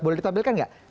boleh ditampilkan nggak